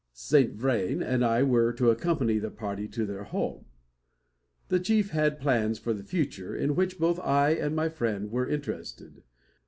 Saint Vrain and I were to accompany the party to their home. The chief had plans for the future, in which both I and my friend were interested.